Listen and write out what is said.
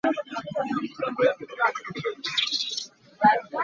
Thingluang a nor mi vui kha na hmu maw?